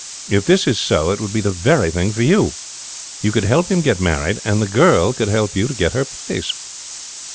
If this is so it would be the very thing for you. You could help him to get married, and the girl could help you to get her place."